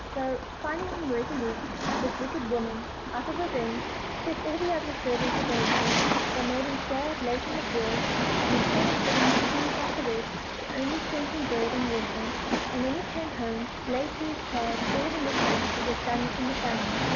So, finding him resolute, this wicked woman, out of revenge, set all the other servants against him; they made him stay out late in the fields, and instead of giv ing him food like the rest, she only sent him bread and water, and, when he came home, laid to his charge all the mischief that was done in the family.